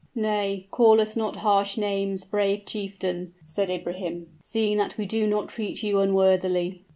"Nay, call us not harsh names, brave chieftain," said Ibrahim, "seeing that we do not treat you unworthily."